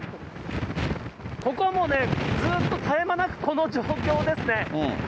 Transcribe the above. ここはもう、ずっと絶え間なくこの状況ですね。